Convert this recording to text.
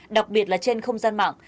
đặc biệt là trên không gian mạng